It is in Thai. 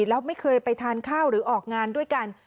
แล้วไม่เคยไปทานข้าวหรือออกงานด้วยกัน